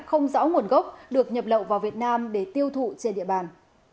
không rõ nguồn gốc được nhập lậu vào việt nam để tiêu thụ trên địa bàn